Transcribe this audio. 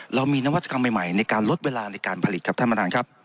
เรามีนวัตกรรมใหม่ในการลดเวลาในการผลิตครับท่านประธานครับ